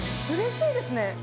うれしいですね。